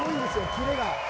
キレが。